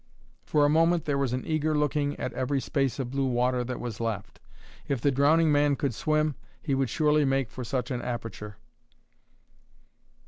For a moment there was an eager looking at every space of blue water that was left. If the drowning man could swim, he would surely make for such an aperture.